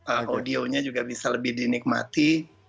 audionya juga bisa lebih dinikmati